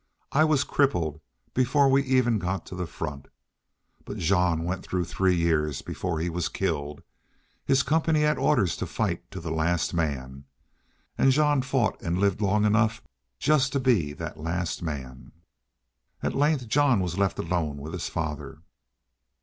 I was crippled before we ever got to the front. But Jean went through three Years before he was killed. His company had orders to fight to the last man. An' Jean fought an' lived long enough just to be that last man." At length Jean was left alone with his father.